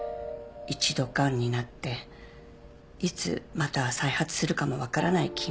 一度がんになっていつまた再発するかも分からない